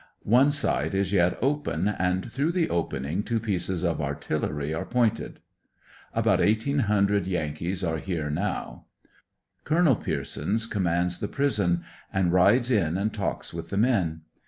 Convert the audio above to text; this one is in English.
One side is yet open, and through the opening two pieces of artillery are pointed. About 1800 Yankees are here now. Col. Piersons com mands the prison, and rides in and talks with the men.